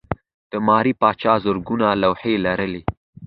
د ماري پاچا زرګونه لوحې لرلې.